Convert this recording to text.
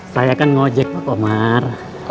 saya kan ngejek pak komar